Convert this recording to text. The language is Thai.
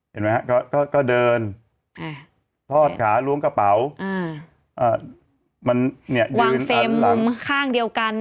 เห็นไหมฮะก็เดินทอดขาล้วงกระเป๋ามันเนี่ยวางเฟรมมุมข้างเดียวกัน